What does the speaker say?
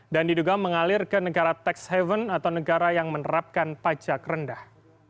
dan diduga mengalir ke negara tax haven atau negara yang menerapkan pajak rendah